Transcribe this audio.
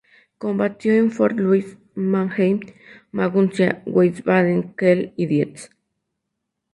Combatió en Fort-Louis, Mannheim, Maguncia, Wiesbaden, Kehl, y Dietz.